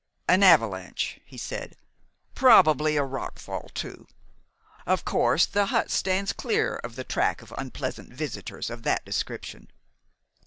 "An avalanche," he said. "Probably a rockfall too. Of course, the hut stands clear of the track of unpleasant visitors of that description."